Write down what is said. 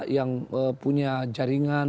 yang punya jaringan